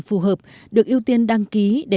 phù hợp được ưu tiên đăng ký để